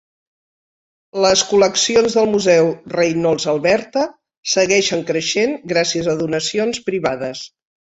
Les col·leccions del museu Reynolds-Alberta segueixen creixent gràcies a donacions privades.